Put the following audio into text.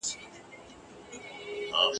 نه د جنډۍ په ننګولو د بابا سمېږي!.